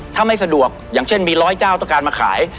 ถ้าไม่สะดวกอย่างเช่นมีร้อยเจ้าต้องการมาขาย